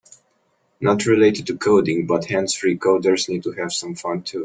Not related to coding, but hands-free coders need to have some fun too.